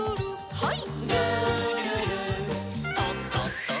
はい。